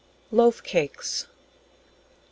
Loaf Cakes. No.